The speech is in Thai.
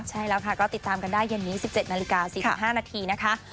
ใช่แล้วค่ะก็ติดตามกันได้เย็นนี้๑๗นาฬิกา๔๕นาทีนะคะ